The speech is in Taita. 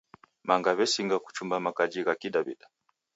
Manga w'esinga kuchumba makaji gha Kidaw'ida.